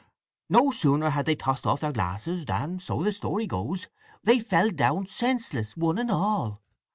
No sooner had they tossed off their glasses than, so the story goes, they fell down senseless, one and all.